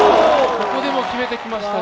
ここでも決めてきました